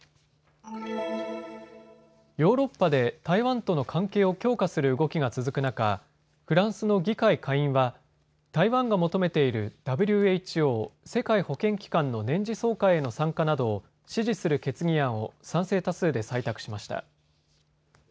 ヨーロッパで台湾との関係を強化する動きが続く中、フランスの議会下院は台湾が求めているＷＨＯ・世界保健機関の年次総会への参加などを支持する決議案を賛成多数で採択しました。